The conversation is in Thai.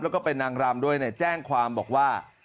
แล้วก็เป็นนางรำด้วยแจ้งความบอกว่า